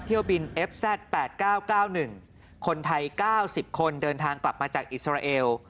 เที่ยวบินเอฟแซตแปดเก้าเก้าหนึ่งคนไทยเก้าสิบคนเดินทางกลับมาจากอิสราเอล